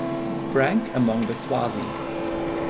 Rank Among the Swazi.